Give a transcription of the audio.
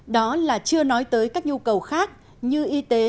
đó là chưa nói tới các nhu cầu khác như y tế